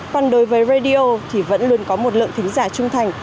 còn đối với radio thì vẫn luôn có một lượng thính giả trung thành